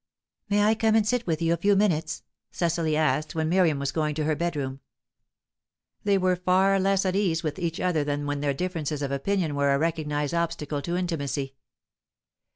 "May I come and sit with you for a few minutes?" Cecily asked, when Miriam was going to her bedroom. They were far less at ease with each other than when their differences of opinion were a recognized obstacle to intimacy.